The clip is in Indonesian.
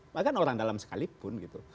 bahkan orang dalam sekalipun gitu